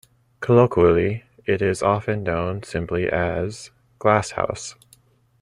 Colloquially it is often known simply as "Glasshouse".